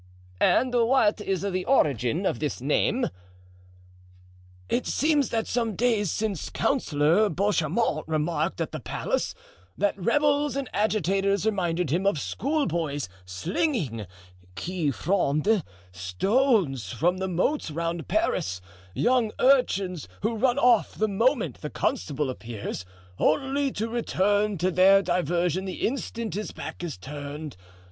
"And what is the origin of this name?" "It seems that some days since Councillor Bachaumont remarked at the palace that rebels and agitators reminded him of schoolboys slinging—qui frondent—stones from the moats round Paris, young urchins who run off the moment the constable appears, only to return to their diversion the instant his back is turned.